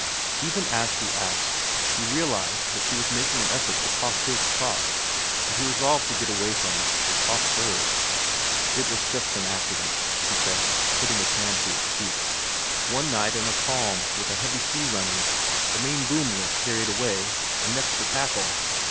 Even as she asked, he realized that she was making an effort to talk his talk, and he resolved to get away from it and talk hers. "It was just an accident," he said, putting his hand to his cheek. "One night, in a calm, with a heavy sea running, the main boom lift carried away, an' next the tackle.